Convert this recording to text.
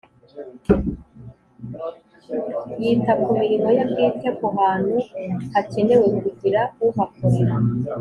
Yita ku mirimo ye bwite ku hantu hakenewe kugira uhakorera